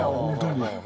本当に。